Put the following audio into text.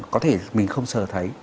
có thể mình không sờ thấy